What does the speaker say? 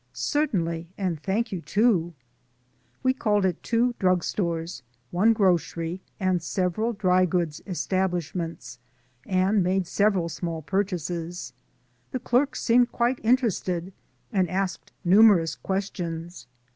"Certainly, and thank you to." We called at two drug stores, one grocery and several dry goods establishments, and made several small purchases. The clerks seemed quite interested, and asked numerous questions.